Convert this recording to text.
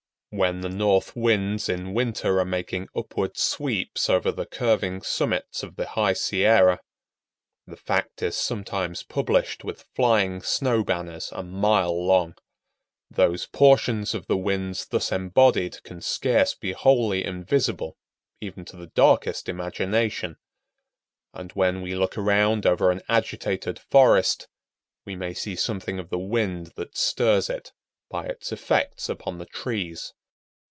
When the north winds in winter are making upward sweeps over the curving summits of the High Sierra, the fact is sometimes published with flying snow banners a mile long. Those portions of the winds thus embodied can scarce be wholly invisible, even to the darkest imagination. And when we look around over an agitated forest, we may see something of the wind that stirs it, by its effects upon the trees.